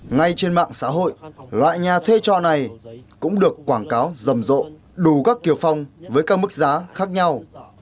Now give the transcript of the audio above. ngay trên mạng xã hội loại nhà thuê trọ này cũng được quảng cáo rầm rộ đủ các kiểu phòng với các mức giá khác nhau